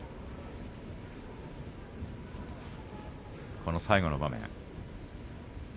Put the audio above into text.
この最後の場面です。